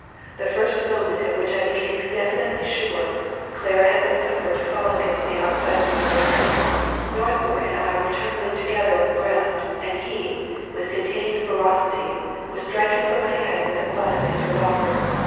The first moment at which I became definitely sure, Clara had been suffered to fall against the outside of my little tent, Northmour and I were tumbling together on the ground, and he, with contained ferocity, was striking for my head with the butt of his revolver.